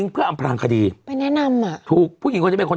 ปุ่นหญิงคนนี้